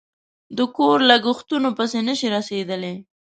د کور لگښتونو پسې نشي رسېدلی